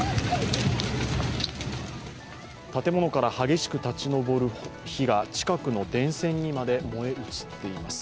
建物から激しく立ち上る火が、近くの電線にまで燃え移っています。